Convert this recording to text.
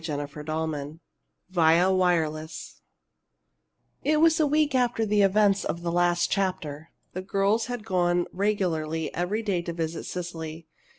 CHAPTER XIII VIA WIRELESS It was a week after the events of the last chapter. The girls had gone regularly every day to visit Cecily.